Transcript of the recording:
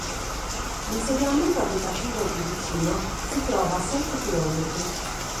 L'insediamento abitativo più vicino si trova a sette chilometri.